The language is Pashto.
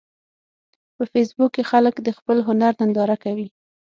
په فېسبوک کې خلک د خپل هنر ننداره کوي